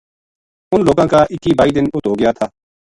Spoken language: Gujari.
اِن لوکاں کا اِکّی بائی دن اُت ہوگیا تھا